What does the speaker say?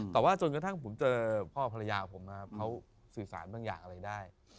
แต่ว่าจนกระทั่งผมเจอพ่อภรรยาผมเขาสื่อสารบางอย่างอะไรได้